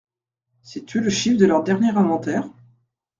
Sais-tu le chiffre de leur dernier inventaire ?